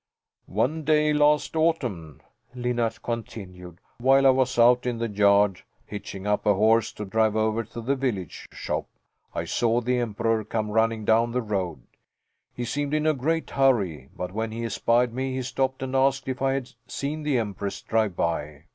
"One day last autumn," Linnart continued, "while I was out in the yard hitching up a horse to drive over to the village shop, I saw the Emperor come running down the road; he seemed in a great hurry, but when he espied me he stopped and asked if I had seen the Empress drive by.